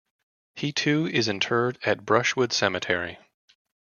He too is interred at Brushwood Cemetery.